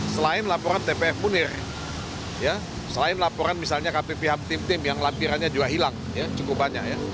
selain laporan tpf munir selain laporan misalnya kpp tim tim yang lampirannya juga hilang cukup banyak ya